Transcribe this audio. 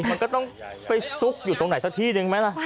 มันก็ต้องไปซุกอยู่ตรงไหนซะทีดิรู้ไหมล่ะ